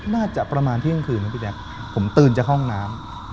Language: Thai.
น่าจะประมาณเที่ยงคืนนะพี่แจ๊คผมตื่นจากห้องน้ำ